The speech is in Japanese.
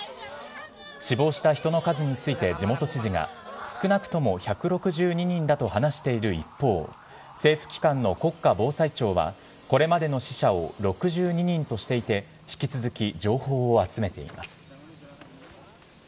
死亡した人の数について地元知事が、少なくとも１６２人だと話している一方、政府機関の国家防災庁は、これまでの死者を６２人としていて、引き続き、情報を集めています。